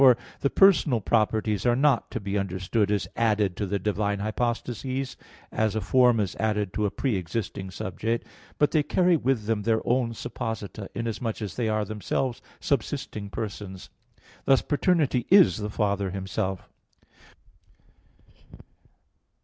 For the personal properties are not to be understood as added to the divine hypostases, as a form is added to a pre existing subject: but they carry with them their own supposita, inasmuch as they are themselves subsisting persons; thus paternity is the Father Himself.